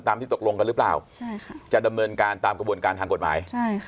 ตามที่ตกลงกันหรือเปล่าจะดำเนินการตามกระบวนการทางกฎหมาย